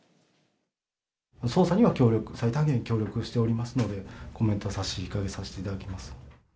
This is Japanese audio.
捜査には協力、最大限協力しておりますので、コメントは差し控えさせていただきます。